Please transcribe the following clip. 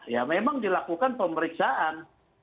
ya memang dilakukan pemeriksaan